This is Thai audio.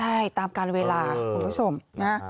ใช่ตามการเวลาคุณผู้ชมนะ